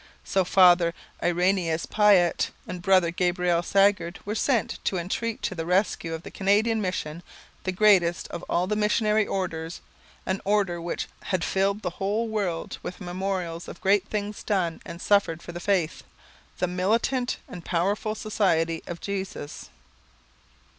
So Father Irenaeus Piat and Brother Gabriel Sagard were sent to entreat to the rescue of the Canadian mission the greatest of all the missionary orders an order which 'had filled the whole world with memorials of great things done and suffered for the Faith' the militant and powerful Society of Jesus.